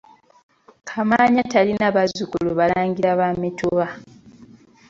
Kamaanya talina bazzukulu balangira ba mituba.